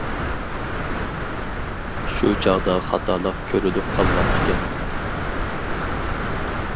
شۇ چاغدا خاتالىق كۆرۈلۈپ قالغان ئىكەن.